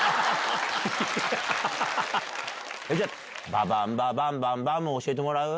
ババンババンバンバン教えてもらう？